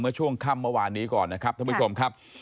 เมื่อช่วงค่ำเมื่อวานนี้ก่อนนะครับท่านผู้ชมครับ